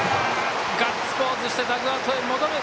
ガッツポーズしてダグアウトへ戻る。